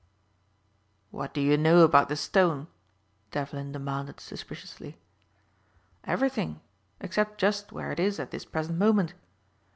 "What do you know about the stone?" Devlin demanded suspiciously. "Everything except just where it is at this present moment.